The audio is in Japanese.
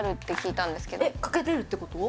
かけれるってこと？